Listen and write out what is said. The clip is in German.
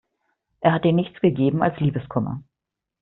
Er hat dir nichts gegeben als Liebeskummer.